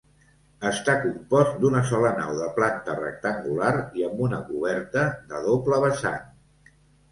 Està compost d'una sola nau de planta rectangular i amb una coberta de doble vessant.